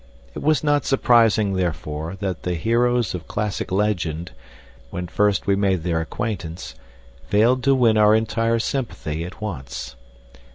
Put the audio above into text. It was not surprising therefore that the heroes of classic legend, when first we made their acquaintance, failed to win our entire sympathy at once.